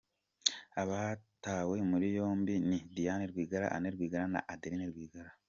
Abatawe muri yombi ni Diane Rwigara, Anne Rwigara na Adeline Rwigara.